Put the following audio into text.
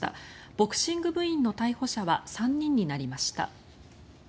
ボクシング部員の逮捕者は３人になりました。